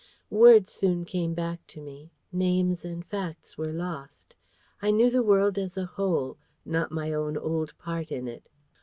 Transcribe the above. Words soon came back to me: names and facts were lost: I knew the world as a whole, not my own old part in it.